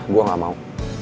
gue gak mau